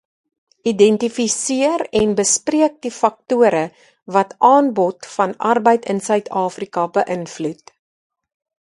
Identifiseer en bespreek die faktore wat aanbod van arbeid in Suid-Afrika beïnvloed.